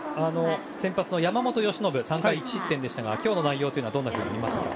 先発の山本由伸３回１失点でしたが今日の内容をどう見ましたか。